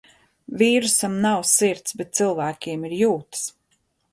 Vīrusam nav sirds, bet cilvēkiem ir jūtas.